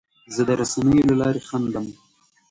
زه د رسنیو له لارې خندم.